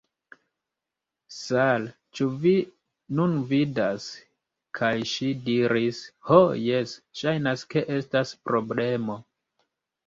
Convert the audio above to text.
"Sal'! Ĉu vi nun vidas?" kaj ŝi diris: "Ho, jes. Ŝajnas ke estas problemo."